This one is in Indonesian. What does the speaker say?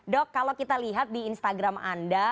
dok kalau kita lihat di instagram anda